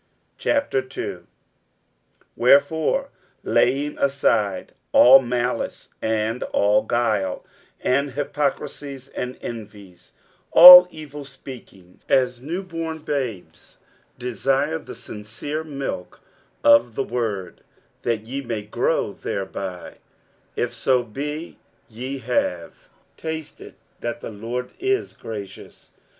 60:002:001 Wherefore laying aside all malice, and all guile, and hypocrisies, and envies, all evil speakings, 60:002:002 As newborn babes, desire the sincere milk of the word, that ye may grow thereby: 60:002:003 If so be ye have tasted that the Lord is gracious.